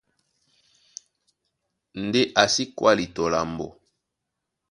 Ndé a sí kwáli tɔ lambo.